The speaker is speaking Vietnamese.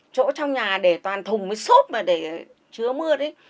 chỗ trong nhà để toàn thùng mới sốt mà để chứa mưa đấy